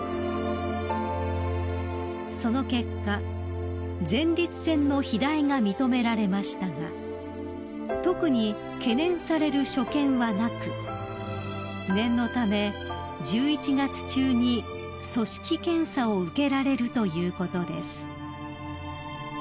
［その結果前立腺の肥大が認められましたが特に懸念される所見はなく念のため１１月中に組織検査を受けられるということです］